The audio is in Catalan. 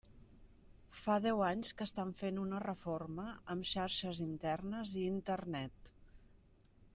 Fa deu anys que estan fent una reforma amb xarxes internes i Internet.